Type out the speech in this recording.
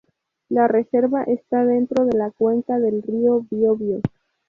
La reserva está dentro de la cuenca del río Biobío.